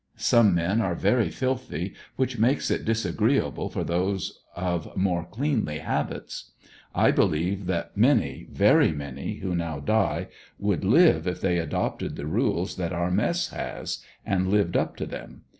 Some men are very filthy, which makes it disagreeable for those of more cleanly habits. I believe that many, very many, who now die, would live if they adopted the rules that our mess has, and lived up to them.